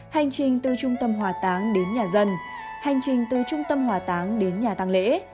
hành trình từ trung tâm hòa táng đến nhà dân hành trình từ trung tâm hòa táng đến nhà tăng lễ